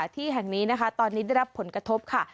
ที่แห่งนี้นะคะตอนนี้ได้รับผลกระทบค่ะ